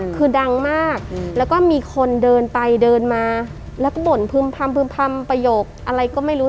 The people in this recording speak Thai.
คือดังมากแล้วก็มีคนเดินไปเดินมาแล้วก็บ่นพึ่มพำพึ่มพำประโยคอะไรก็ไม่รู้